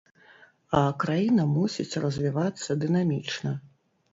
А краіна мусіць развівацца дынамічна.